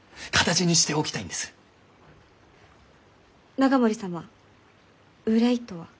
永守様「憂い」とは？